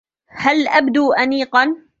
أهل أبدو أنيقا؟